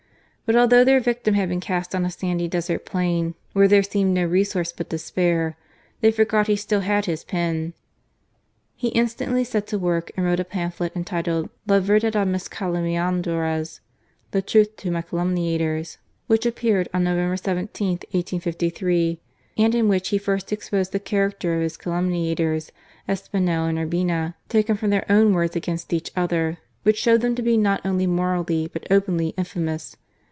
But although their victim had been cast on a sandy desert plain where there seemed no resource but despair, they forgot he still had his pen. He instantly set to work and wrote a pamphlet entitled La Verdad a mis calumniadores —" The Truth to my Calumniators," which appeared on November 17, 1853, and in which he first exposed the character of his calumniators, Espinel and Urbina, taken from their own words against each other, which showed them to be not only morally but openly infamous.